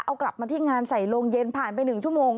เอากลับมาที่งานใส่โรงเย็นผ่านไป๑ชั่วโมง